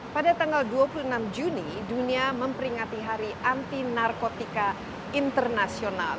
pada tanggal dua puluh enam juni dunia memperingati hari anti narkotika internasional